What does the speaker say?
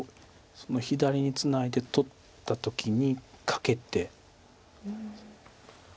その左にツナいで取った時にカケて。